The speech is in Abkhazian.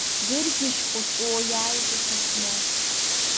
Дыргьежь ҟу-ҵәуо иааит ихынҳәны.